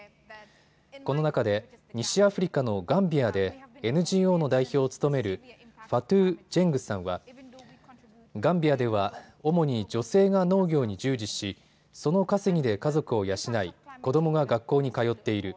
この中で西アフリカのガンビアでＮＧＯの代表を務めるファトゥ・ジェングさんはガンビアでは主に女性が農業に従事し、その稼ぎで家族を養い子どもが学校に通っている。